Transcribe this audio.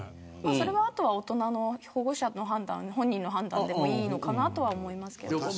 あとは保護者の判断本人の判断でもいいのかなとは思いますけど。